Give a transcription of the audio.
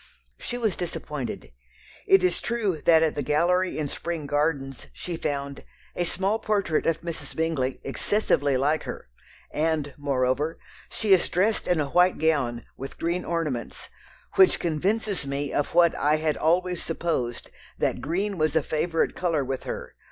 She was disappointed. It is true that at the Gallery in Spring Gardens she found "a small portrait of Mrs. Bingley, excessively like her," and, moreover, "she is dressed in a white gown, with green ornaments, which convinces me of what I had always supposed, that green was a favourite colour with her.